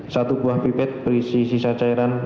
satu buah pipet berisi sisa cairan